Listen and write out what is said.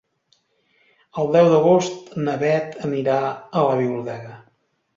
El deu d'agost na Bet anirà a la biblioteca.